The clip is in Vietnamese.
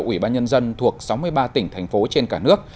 ủy ban nhân dân thuộc sáu mươi ba tỉnh thành phố trên cả nước